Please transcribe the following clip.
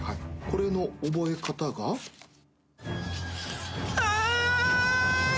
これの覚え方が。え！？